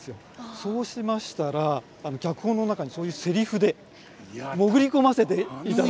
そうしましたら脚本の中にそういうセリフで潜り込ませていただいてですね。